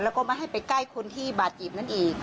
แล้วก็ไม่ให้ไปใกล้คนที่บาดเจ็บนั้นอีก